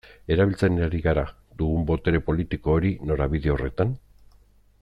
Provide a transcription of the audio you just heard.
Erabiltzen ari gara dugun botere politiko hori norabide horretan?